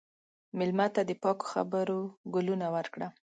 مېلمه ته د پاکو خبرو ګلونه ورکړه.